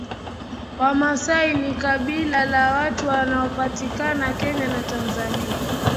Wamasai ni kabila la watu wanaopatikana Kenya na Tanzania